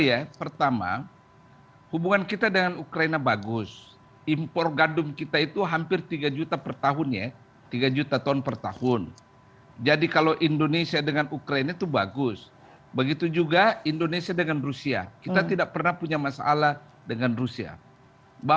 apalagi saat ini indonesia menjadi presidensi g dua puluh